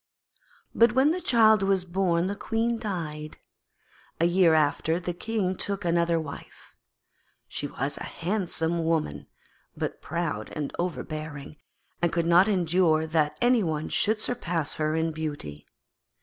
But when the child was born the Queen died. A year after the King took another wife. She was a handsome woman, but proud and overbearing, and could not endure that any one should surpass her in beauty.